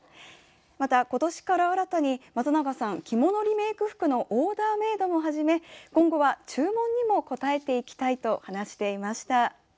また今年から新たにまつながさん、着物リメーク服のオーダーメードも始め今後は注文にも応えていきたいと話していました。